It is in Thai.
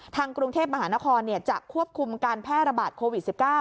ทางกรุงเทพมหานครจะควบคุมการแพร่ระบาดโควิด๑๙